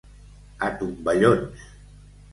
A tomballons.